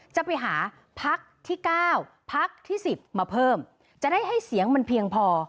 จะไปหาพักที่๙พักที่๑๐มาเพิ่มจะได้ให้เสียงมันเพียงพอ